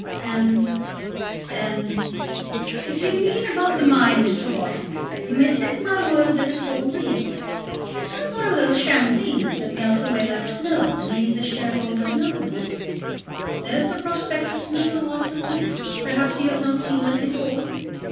"And, and " "If you mean about the mine, Mr. Wharton, you may take my word that it's all real. It's not one of those sham things that melt away like snow and leave the shareholders nowhere. There's the prospectus, Mr. Wharton. Perhaps you have not seen that before.